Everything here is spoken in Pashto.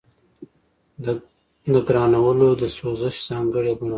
د ګرانولوما د سوزش ځانګړې بڼه ده.